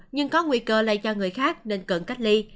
nhưng có nguy cơ lây cho người khác nên cần cách ly